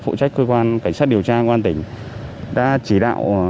phụ trách cơ quan cảnh sát điều tra quán tỉnh đã chỉ đạo